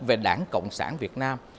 về đảng cộng sản việt nam